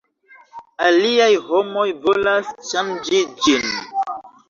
Aliaj homoj volas ŝanĝi ĝin.